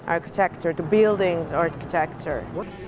arsitektur bangunan arsitektur